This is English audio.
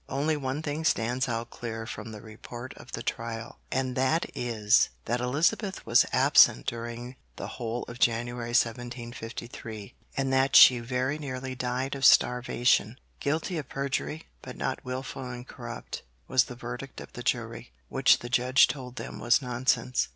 Only one thing stands out clear from the report of the trial, and that is, that Elizabeth was absent during the whole of January 1753, and that she very nearly died of starvation. 'Guilty of perjury, but not wilful and corrupt,' was the verdict of the jury, which the judge told them was nonsense.